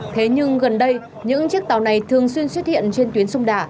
thế nhưng gần đây những chiếc tàu này thường xuyên xuất hiện trên tuyến sông đà